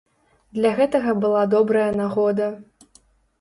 Для гэтага была добрая нагода.